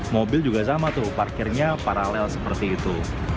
mobil juga sama tuh parkirnya paralel seperti itu